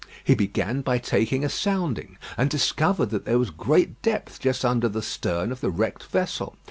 He began by taking a sounding, and discovered that there was great depth just under the stern of the wrecked vessel.